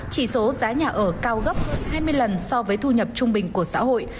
chỉ số giá nhà ở cao gấp hai mươi lần so với thu nhập trung bình của xã hội